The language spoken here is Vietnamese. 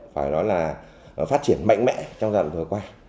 phải nói là phát triển mạnh mẽ trong dặn vừa qua